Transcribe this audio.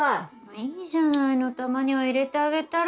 いいじゃないのたまにはいれてあげたら。